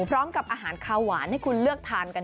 พร้อมกับอาหารคาวหวานให้คุณเลือกทานกัน